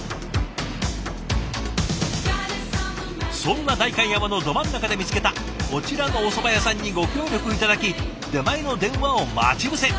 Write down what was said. そんな代官山のど真ん中で見つけたこちらのおそば屋さんにご協力頂き出前の電話を待ち伏せ。